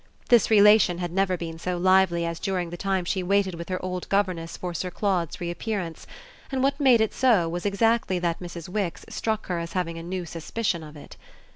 This relation had never been so lively as during the time she waited with her old governess for Sir Claude's reappearance, and what made it so was exactly that Mrs. Wix struck her as having a new suspicion of it.